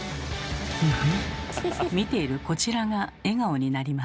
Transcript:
フフッ見ているこちらが笑顔になります。